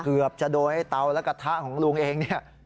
เกือบจะโดยเตาและกระทะของลุงเองเนี่ย